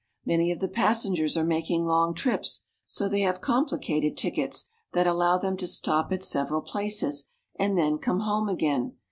Many of the passengers are making long trips, so they have complicated tickets that allow them to stop at several places and then come home again.